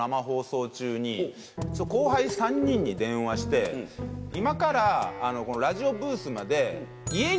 後輩３人に電話して「今からラジオブースまで」。